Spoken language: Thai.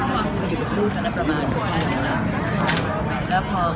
มาอยู่กับผู้ทางนักประมาณ๖นาที